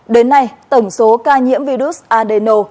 đến nay tổng số ca nhiễm virus adeno